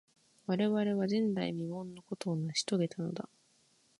我々は、前代未聞のことを成し遂げたのだ。